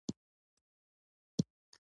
په دې خزانه کې د سرو زرو تاج و